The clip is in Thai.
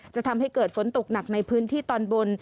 จะทำให้เกิดฝนตกหนักในพื้นที่ตอนบน